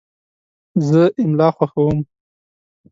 زه املا خوښوم.